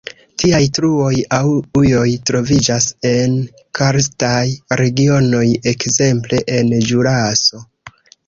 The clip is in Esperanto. Tiaj truoj aŭ ujoj troviĝas en karstaj regionoj, ekzemple en Ĵuraso.